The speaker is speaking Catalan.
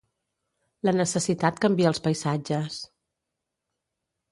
La necessitat canvia els paisatges.